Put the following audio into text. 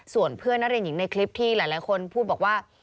ส่วนเพื่อนนักเรียนหญิงในคลิปที่หลายคนพูดบอกว่า